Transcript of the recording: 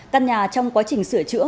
căn nhà trong quá trình sửa chữa